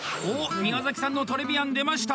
宮崎さんのトレビアン出ました。